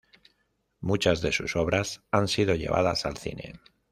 Muchas de sus obras han sido llevadas al cine.